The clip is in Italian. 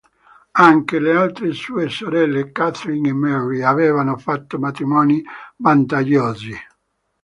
Anche le altre sue sorelle Katherine e Mary avevano fatto matrimoni vantaggiosi.